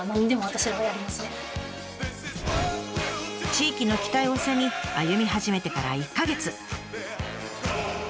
地域の期待を背に歩み始めてから１か月。